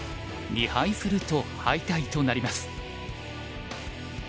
２敗すると敗退となります。